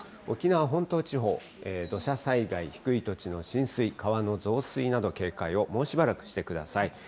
沖縄本島地方、土砂災害、低い土地の浸水、川の増水など、警戒を、もうしばらくしてください。